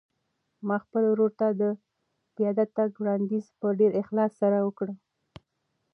ما خپل ورور ته د پیاده تګ وړاندیز په ډېر اخلاص سره وکړ.